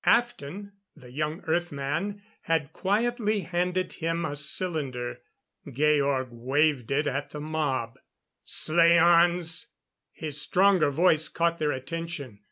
Aften the young Earth man had quietly handed him a cylinder. Georg waved it at the mob. "Slaans " His stronger voice caught their attention.